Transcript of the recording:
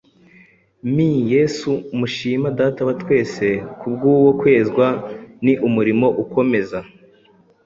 mi Yesu, mushima Data wa twese ku bw’uwo Kwezwa ni umurimo ukomeza.